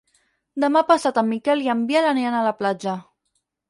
Demà passat en Miquel i en Biel aniran a la platja.